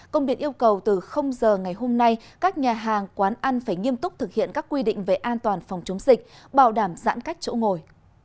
công điện yêu cầu từ giờ ngày hôm nay các nhà hàng quán ăn phải nghiêm túc thực hiện các quy định về an toàn phòng chống dịch bảo đảm giãn cách chỗ ngồi